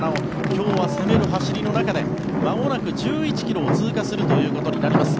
今日は攻める走りの中でまもなく１１ｋｍを通過することになります。